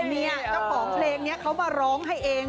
เนี่ยเจ้าของเพลงนี้เขามาร้องให้เอง